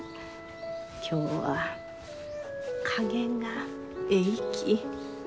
今日は加減がえいき。